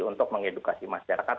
untuk mengedukasi masyarakat